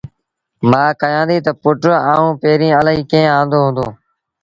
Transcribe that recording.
مآ ڪهيآݩديٚ تا پُٽ آئوݩ پيريٚݩ اَلهيٚ ڪيٚݩ آݩدو هُݩدو